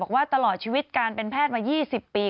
ว่าตลอดชีวิตการเป็นแพทย์มา๒๐ปี